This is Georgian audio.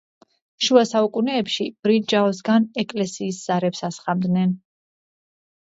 შუა საუკუნეებში ბრინჯაოსგან ეკლესიის ზარებს ასხამდნენ.